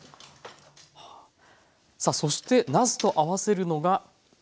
さあそしてなすと合わせるのが。